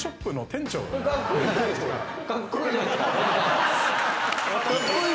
カッコイイじゃないっすか。